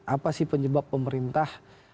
apa sih penyebab pemerintah